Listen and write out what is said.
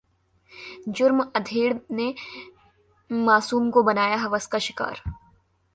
जुर्मः अधेड़ ने मासूम को बनाया हवस का शिकार